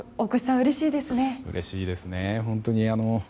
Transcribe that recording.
うれしいですね、本当に。